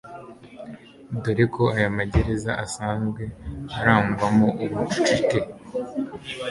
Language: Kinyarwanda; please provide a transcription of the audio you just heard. dore ko aya magereza asanzwe arangwamo ubucucike.